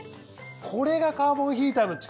これがカーボンヒーターの力。